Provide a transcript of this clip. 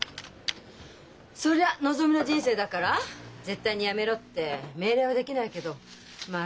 そりゃのぞみの人生だから絶対にやめろって命令はできないけどまあ